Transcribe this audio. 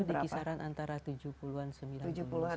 paling laku di kisaran antara tujuh puluh an sembilan puluh an